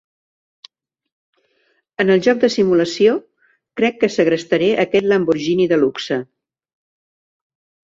En el joc de simulació, crec que segrestaré aquest Lamborghini de luxe.